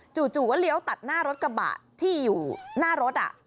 จู่ก็เลี้ยวตัดหน้ารถกระบะที่อยู่หน้ารถ